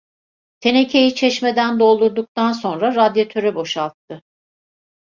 Tenekeyi çeşmeden doldurduktan sonra radyatöre boşalttı.